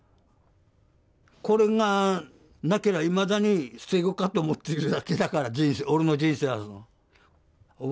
これがなけりゃいまだに捨て子かと思ってるだけだから俺の人生は。